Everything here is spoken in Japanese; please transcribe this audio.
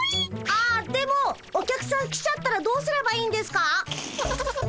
ああでもお客さん来ちゃったらどうすればいいんですか？